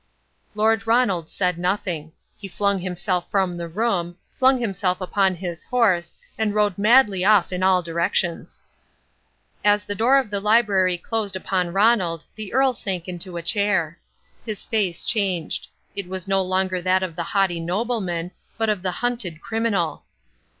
Lord Ronald said nothing; he flung himself from the room, flung himself upon his horse and rode madly off in all directions. As the door of the library closed upon Ronald the Earl sank into a chair. His face changed. It was no longer that of the haughty nobleman, but of the hunted criminal.